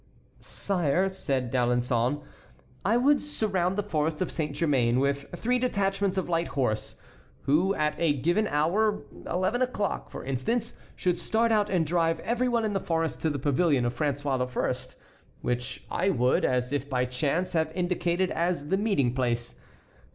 "Sire," said D'Alençon, "I would surround the forest of Saint Germain with three detachments of light horse, who at a given hour, eleven o'clock, for instance, should start out and drive every one in the forest to the Pavilion of Francis I., which I would, as if by chance, have indicated as the meeting place.